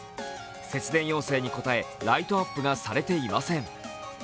節電要請に応えライトアップがされていません。